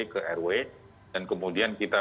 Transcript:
ke rw dan kemudian kita